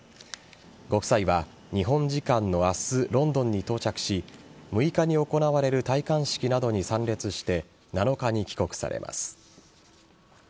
ご夫妻は日本時間の明日ロンドンに到着し６日に行われる戴冠式などに参列して７日に帰国されます。